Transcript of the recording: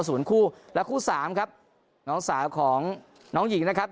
ศูนย์คู่และคู่สามครับน้องสาวของน้องหญิงนะครับ